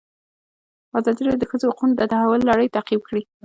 ازادي راډیو د د ښځو حقونه د تحول لړۍ تعقیب کړې.